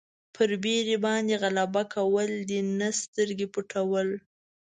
پر بېرې باندې غلبه کول دي نه سترګې پټول.